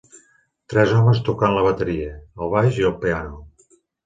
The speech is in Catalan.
Tres homes tocant la bateria, el baix i el piano.